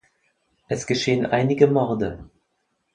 Es geschehen einige Morde.